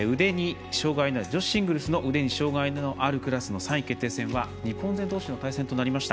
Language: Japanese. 女子シングルスの腕に障がいのあるクラスの３位決定戦は日本どうしの対戦となりました。